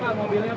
pak mobilnya pak